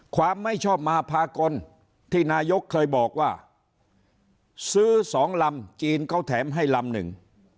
ความไม่ชอบมาพากลที่นายกเคยบอกว่าซื้อสองลำจีนเขาแถมให้ลำหนึ่ง